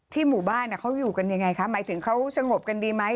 หมู่บ้านเขาอยู่กันยังไงคะหมายถึงเขาสงบกันดีไหม